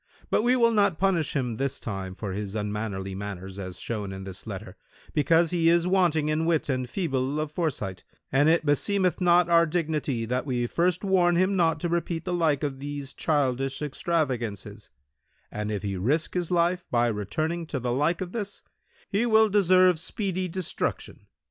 But we will not punish him this time for his unmannerly manners as shown in this letter, because he is wanting in wit and feeble of foresight, and it beseemeth our dignity that we first warn him not to repeat the like of these childish extravagances; and if he risk his life by returning to the like of this, he will deserve speedy destruction.